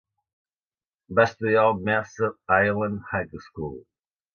Va estudiar al Mercer Island High School.